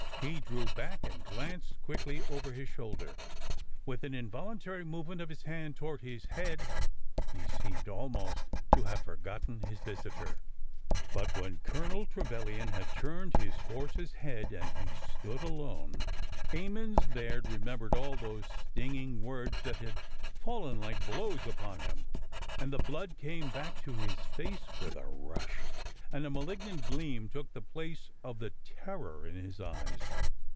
He drew back and glanced quickly over his shoulder, with an involuntary movement of his hand toward his head. He seemed al most to have forgotten his visitor. But when Colonel Trevilian had turned his horse's head and he stood alone, Emmons Baird remembered all those stinging words that had fallen like blows upon him, and the blood came back to his face with a rush, and a malig nant gleam took the place of the terror in his eyes.